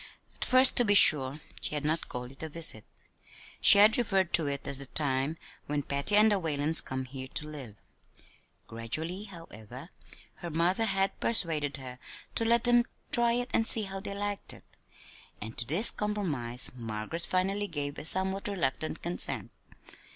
At first, to be sure, she had not called it a visit; she had referred to it as the time when "Patty and the Whalens come here to live." Gradually, however, her mother had persuaded her to let them "try it and see how they liked it"; and to this compromise Margaret finally gave a somewhat reluctant consent.